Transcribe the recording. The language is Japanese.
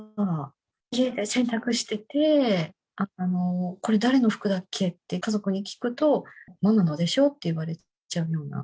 家で洗濯してて、これ誰の服だっけ？って家族に聞くと、ママのでしょと言われちゃうような。